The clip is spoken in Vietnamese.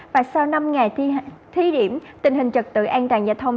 và sau năm ngày thi điểm tình hình trật tự an toàn giao thông